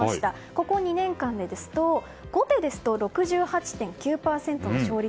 ここ２年間ですと後手ですと６８．９％の勝率。